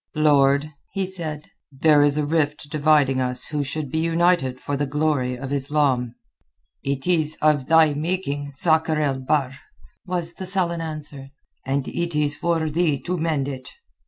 "Lord," he said, "there is a rift dividing us who should be united for the glory of Islam." "It is of thy making, Sakr el Bahr," was the sullen answer, "and it is for thee to mend it."